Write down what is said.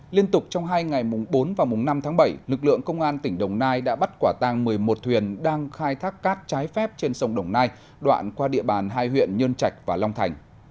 liên tục trong hai ngày bốn và năm tháng bảy lực lượng công an tỉnh đồng nai đã bắt quả tăng một mươi một thuyền đang khai thác cát trái phép trên sông đồng nai đoạn qua địa bàn hai huyện nhơn trạch và long thành